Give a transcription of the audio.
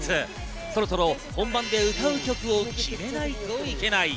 そろそろ本番で歌う曲を決めないといけない。